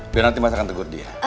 biar nanti masa akan tegur dia